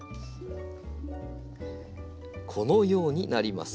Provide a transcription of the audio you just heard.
このようになります。